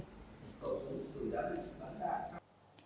cơ quan cảnh sát điều tra công an